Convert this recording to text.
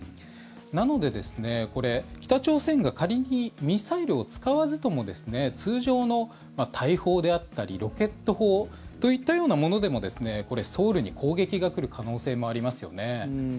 なので、これ、北朝鮮が仮にミサイルを使わずとも通常の大砲であったりロケット砲といったようなものでもソウルに攻撃が来る可能性もありますよね。